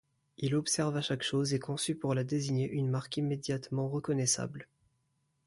Il observa chaque chose et conçut pour la désigner une marque immédiatement reconnaissable.